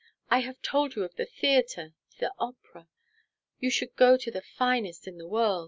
I have told you of the theater, the opera you should go to the finest in the world.